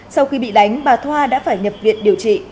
sau khi bị đánh bà thoa đã phải nhập viện điều trị